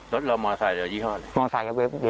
รถเรามส๒๕เลย